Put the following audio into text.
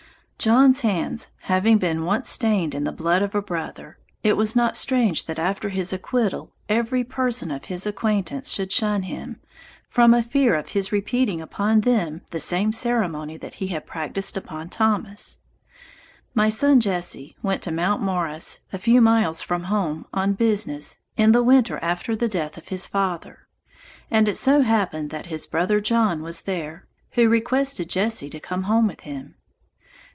John's hands having been once stained in the blood of a brother, it was not strange that after his acquital, every person of his acquaintance should shun him, from a fear of his repeating upon them the same ceremony that he had practised upon Thomas. My son Jesse, went to Mt. Morris, a few miles from home, on business, in the winter after the death of his father; and it so happened that his brother John was there, who requested Jesse to come home with him.